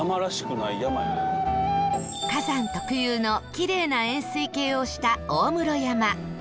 火山特有のキレイな円錐形をした大室山